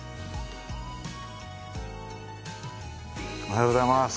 おはようございます。